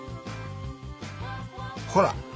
ほら！